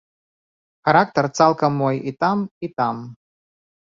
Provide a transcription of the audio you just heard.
Характар цалкам мой і там, і там.